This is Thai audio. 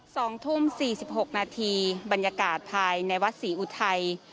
สองทุ่มสี่สิบหกนาทีบรรยากาศภายในวัดศรีอุทัย